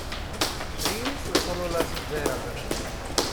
¿Ríes o sólo lo haces ver, Alberto?